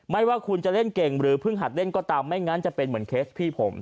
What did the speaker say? ไม่ว่าคุณจะเล่นเก่งหรือเพิ่งหัดเล่นก็ตามไม่งั้นจะเป็นเหมือนเคสพี่ผม